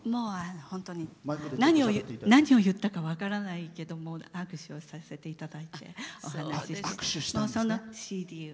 本当に何を言ったか分からないけども握手をさせていただいてお話を。